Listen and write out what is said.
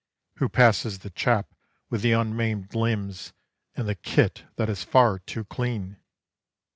_ _Who passes the chap with the unmaimed limbs and the kit that is far too clean?